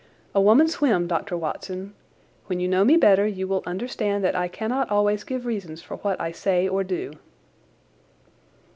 "A woman's whim, Dr. Watson. When you know me better you will understand that I cannot always give reasons for what I say or do."